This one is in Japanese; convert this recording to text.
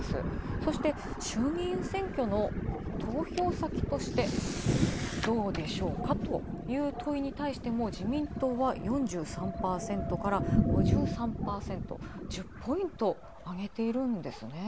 そして衆議院選挙の投票先としてどうでしょうかというと問いに対して自民党は４３％から５３％、１０ポイントあげているんですね。